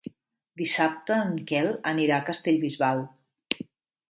Dissabte en Quel anirà a Castellbisbal.